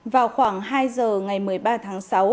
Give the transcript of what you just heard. vào khoảng hai giờ ngày một mươi ba tháng sáu